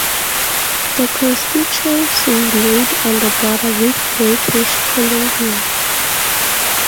The constituency laid on the border with British Columbia.